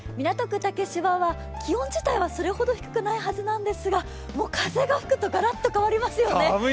竹芝は気温自体はそれほど低くないはずなんですがもう、風が吹くとガラッと変わりますよね、寒い。